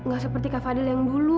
gak seperti kak fadil yang dulu